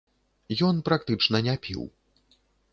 Ён практычна не піў.